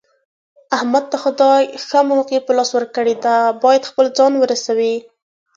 احمد ته خدای ښه موقع په لاس ورکړې ده، باید خپل ځان ورسوي.